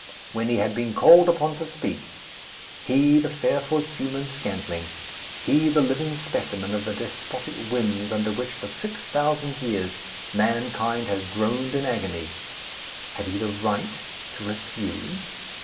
When he had been called upon to speak he the fearful human scantling, he the living specimen of the despotic whims under which, for six thousand years, mankind has groaned in agony had he the right to refuse?